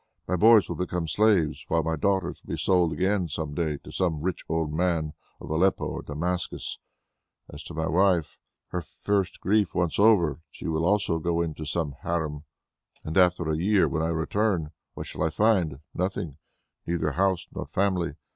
My boys will become slaves, while my daughters will be sold again some day to some rich old man of Aleppo or Damascus. As to my wife, her first grief once over, she also will go into some harem. And after a year, when I return, what shall I find? Nothing, neither house, nor family!